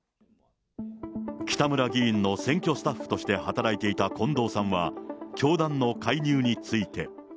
北村議員の選挙スタッフとして働いていた近藤さんは、教団の介入について。